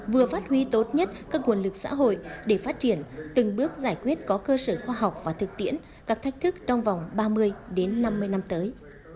vừa phát huy tốt nhất các nguồn lực xã hội để phát triển từng bước giải quyết có cơ sở khoa học và thực tiễn các thách thức trong vòng ba mươi năm mươi năm tới